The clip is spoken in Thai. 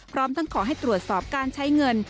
พร้อมทั้งขอให้ตรวจสอบการใช้เงิน